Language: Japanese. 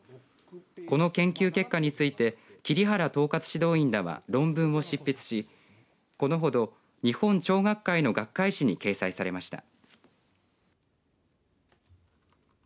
この研究結果について桐原統括指導員らは論文を執筆しこのほど日本鳥学会の学会誌に掲載されました。